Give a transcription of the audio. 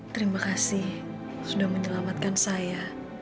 terima kasih sudah menyelamatkan saya